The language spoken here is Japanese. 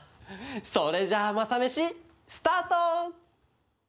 それじゃあ「マサメシ」スタート！